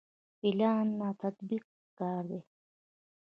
پلان نه تطبیق پکار دی